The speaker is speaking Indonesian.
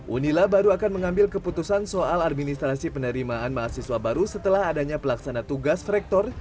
unila baru akan mengambil keputusan soal administrasi penerimaan mahasiswa baru setelah adanya pelaksana tugas rektor